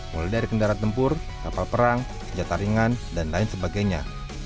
mulai dari kendaraan tempur kapal perang senjata ringan dan lain sebagainya